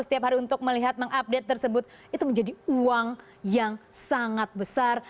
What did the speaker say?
setiap hari untuk melihat mengupdate tersebut itu menjadi uang yang sangat besar